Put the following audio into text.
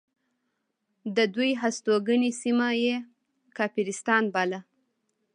د دوی هستوګنې سیمه یې کافرستان باله.